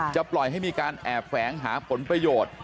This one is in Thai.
จะปล่อยให้มีการแอบแฝงหาผลประโยชน์